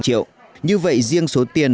một mươi ba triệu như vậy riêng số tiền